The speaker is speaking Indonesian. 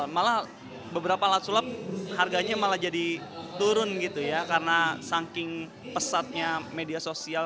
malah beberapa alat sulam harganya malah jadi turun gitu ya karena saking pesatnya media sosial